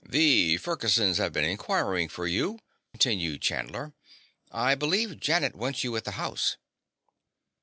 "The Fergusons have been inquiring for you," continued Chandler. "I believe Janet wants you at the house."